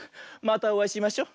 またおあいしましょ。